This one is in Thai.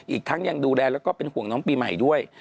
อีกทั้งยังดูแลแล้วก็เป็นห่วงน้องปีใหม่ด้วย